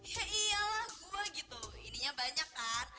ya iyalah gue gitu ininya banyak kan